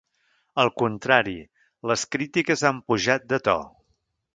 Al contrari, les crítiques han pujat de to.